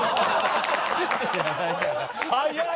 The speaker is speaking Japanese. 早い。